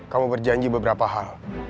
kamu berjanji beberapa hal